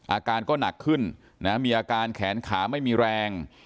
อาการก็หนักขึ้นนะมีอาการแขนขาไม่มีแรง